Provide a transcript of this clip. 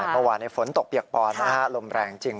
เมื่อวานฝนตกเปียกปอนนะฮะลมแรงจริง